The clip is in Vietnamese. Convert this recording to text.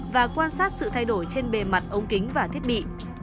và quan sát sự thay đổi trên bề mặt ống kính và thiết bị